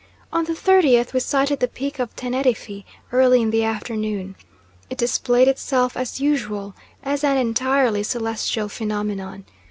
On the 30th we sighted the Peak of Teneriffe early in the afternoon. It displayed itself, as usual, as an entirely celestial phenomenon.